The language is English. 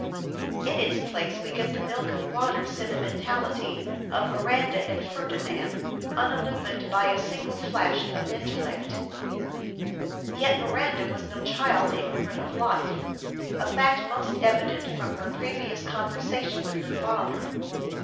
In its place we get the milk and water sentimentality of Miranda and Ferdinand unillumined by a single flash of intellect. Yet Miranda was no child ignorant of life : a fact most evident from her previous conversation with her father.